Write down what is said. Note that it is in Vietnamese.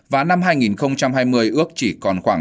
và năm hai nghìn hai mươi ước chỉ còn khoảng